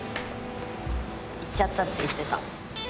言っちゃったって言ってた。